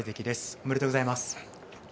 おめでとうございます。